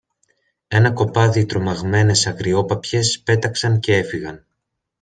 Ένα κοπάδι τρομαγμένες αγριόπαπιες πέταξαν κι έφυγαν